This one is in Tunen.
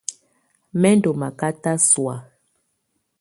Mɛ ndɔ makata sɔ̀á.